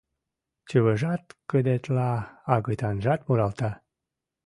Чывыжат кыдетла, агытанжат муралта